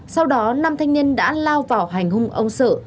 sau đó năm thanh niên đã lao vào hành hung ông sợ